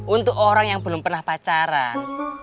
untuk orang yang belum pernah pacaran